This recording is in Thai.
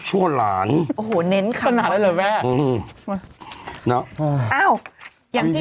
ชั่วหลานโอ้โหเน้นคำประมาณอะไรแหละแม่อืมเนาะอ้าวอย่างนี้